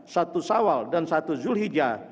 satu sawal dan satu zulhijjah